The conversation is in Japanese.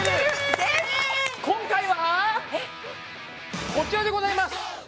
今回はこちらでございます。